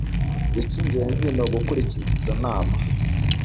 Ikingenzi ni ugukurikiza izo nama.